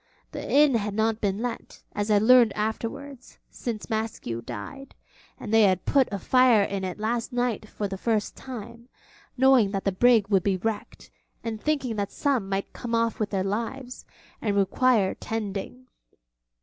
The inn had not been let, as I learned afterwards, since Maskew died; and they had put a fire in it last night for the first time, knowing that the brig would be wrecked, and thinking that some might come off with their lives and require tending.